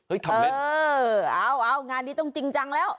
ทำไมเออเอางานนี้ต้องจริงจังแล้ว